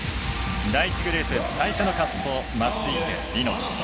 第１グループ最初の滑走松生理乃。